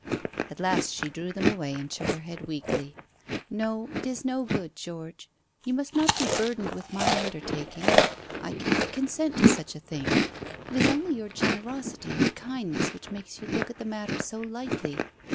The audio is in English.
At last she drew them away and shook her head weakly. "No, it is no good, George. You must not be burdened with my undertaking. I cannot consent to such a thing. It is only your generosity and kindness which make you look at the matter so lightly.